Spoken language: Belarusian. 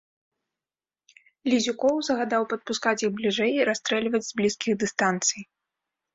Лізюкоў загадаў падпускаць іх бліжэй і расстрэльваць з блізкіх дыстанцый.